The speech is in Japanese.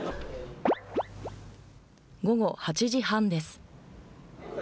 午後８時半です。